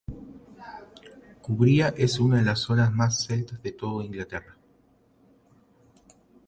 Cumbria es una de las zonas más celtas de toda Inglaterra.